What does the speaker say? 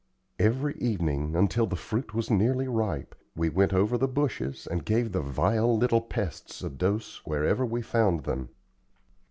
Every evening, until the fruit was nearly ripe, we went over the bushes, and gave the vile little pests a dose wherever we found them.